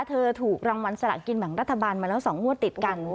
เธอถูกรางวัลสละกินหลังรัฐบาลมาแล้วสองหัวติดกัน